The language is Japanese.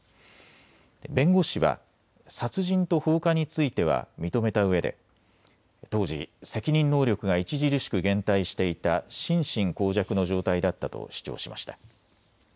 弁護士は殺人と放火については認めたうえで当時、責任能力が著しく減退していた心神耗弱の状態だったと主張しました。